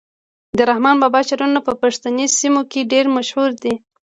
د رحمان بابا شعرونه په پښتني سیمو کي ډیر مشهور دي.